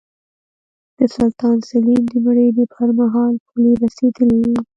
د سلطان سلین د مړینې پرمهال پولې رسېدلې وې.